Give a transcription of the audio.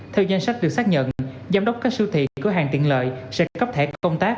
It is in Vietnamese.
theo danh sách được xác nhận giám đốc các siêu thị cửa hàng tiện lợi sẽ cấp thẻ công tác